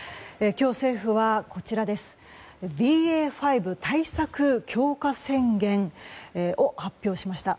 今日、政府はＢＡ．５対策強化宣言を発表しました。